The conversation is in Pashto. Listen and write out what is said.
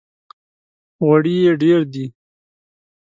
غوړي یې ډېر دي!